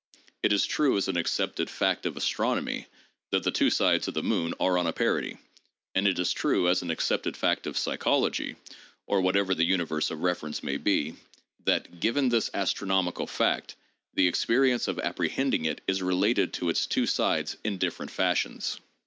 It is true as an accepted fact of astronomy that the two sides of the moon are on a parity ; and it is true as an accepted fact of psychology (or whatever the universe of reference may be) that, given this astronomical fact, the experience of apprehending it is related to its two sides in different fashions.